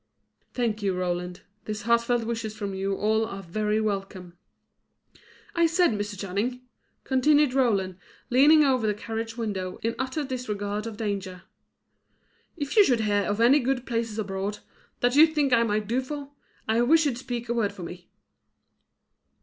"Thank you, Roland. These heartfelt wishes from you all are very welcome." "I say, Mr. Channing," continued Roland, leaning over the carriage window, in utter disregard of danger: "If you should hear of any good place abroad, that you think I might do for, I wish you'd speak a word for me."